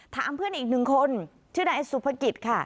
ถามเพื่อนอีกหนึ่งคนชื่อนายสุภกิจค่ะ